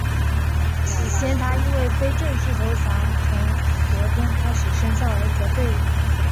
起先他因为非正式投降从昨天开始生效而责备我。